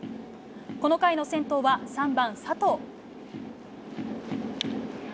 この回の先頭は３番佐藤。